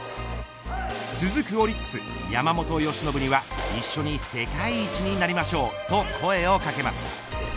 続くオリックス、山本由伸には一緒に世界一になりましょうと声をかけます。